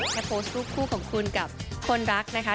จะโพสต์รูปคู่ของคุณกับคนรักนะคะ